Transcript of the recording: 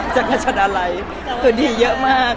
จากประชาติอะไรตัวดีเยอะมาก